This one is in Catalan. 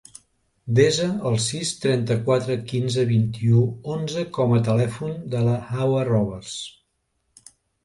Desa el sis, trenta-quatre, quinze, vint-i-u, onze com a telèfon de la Hawa Roberts.